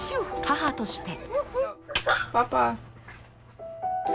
妻として。